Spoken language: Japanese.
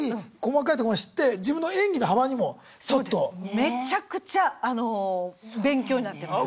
めちゃくちゃあの勉強になってます。